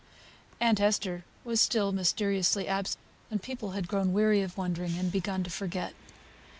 Aunt Esther was still mysteriously absent, and people had grown weary of wondering and began to forget.